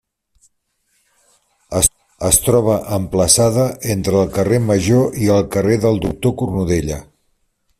Es troba emplaçada entre el carrer Major i el carrer del Doctor Cornudella.